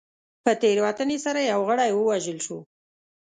په تېروتنې سره یو غړی ووژل شو.